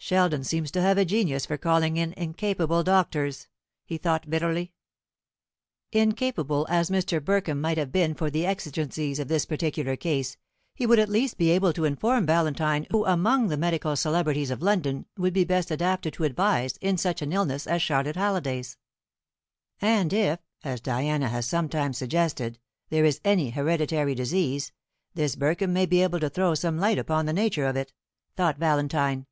"Sheldon seems to have a genius for calling in incapable doctors," he thought bitterly. Incapable as Mr. Burkham might have been for the exigencies of this particular case, he would at least be able to inform Valentine who among the medical celebrities of London would be best adapted to advise in such an illness as Charlotte Halliday's. "And if, as Diana has sometimes suggested, there is any hereditary disease, this Burkham may be able to throw some light upon the nature of it," thought Valentine.